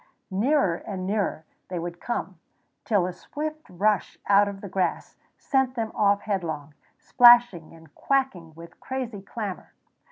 Nearer and nearer they would come, till a swift rush out of the grass sent them off headlong, splashing and quacking with crazy clamor.